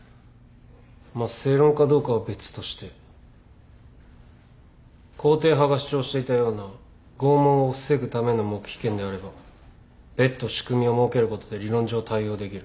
まあ正論かどうかは別として肯定派が主張していたような拷問を防ぐための黙秘権であれば別途仕組みを設けることで理論上対応できる。